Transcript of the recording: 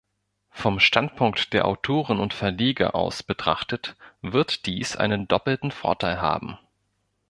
Vom Standpunkt der Autoren und Verleger aus betrachtet wird dies einen doppelten Vorteil haben.